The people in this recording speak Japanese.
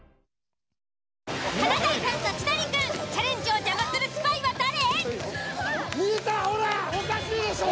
「華大さんと千鳥くん」チャレンジを邪魔するスパイは誰。